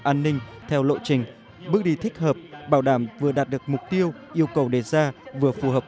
an ninh theo lộ trình bước đi thích hợp bảo đảm vừa đạt được mục tiêu yêu cầu đề ra vừa phù hợp